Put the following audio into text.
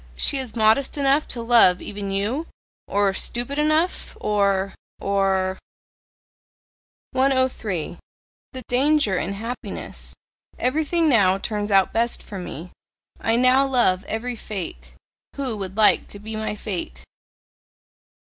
She is modest enough to love even you? Or stupid enough? Or or " 103. THE DANGER IN HAPPINESS. "Everything now turns out best for me, I now love every fate: who would like to be my fate?"